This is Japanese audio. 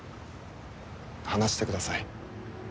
話してください。